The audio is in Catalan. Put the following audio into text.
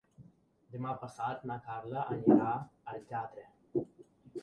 Demà passat na Carla anirà al teatre.